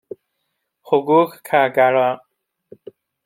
حقوق کارگران